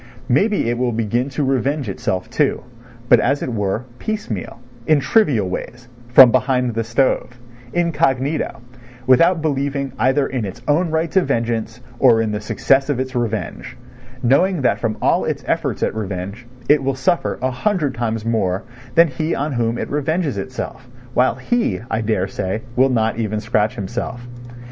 Maybe it will begin to revenge itself, too, but, as it were, piecemeal, in trivial ways, from behind the stove, incognito, without believing either in its own right to vengeance, or in the success of its revenge, knowing that from all its efforts at revenge it will suffer a hundred times more than he on whom it revenges itself, while he, I daresay, will not even scratch himself.